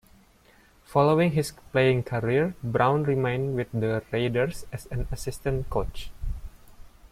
Following his playing career, Brown remained with the Raiders as an assistant coach.